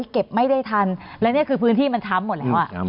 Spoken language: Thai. เก็บไม่ได้ทันและนี่คือพื้นที่มันช้ำหมดแล้ว